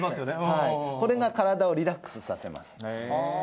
はいこれが身体をリラックスさせます